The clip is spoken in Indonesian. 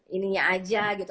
ininya aja gitu